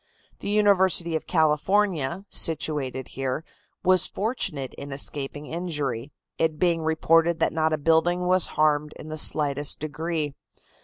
The University of California, situated here, was fortunate in escaping injury, it being reported that not a building was harmed in the slightest degree.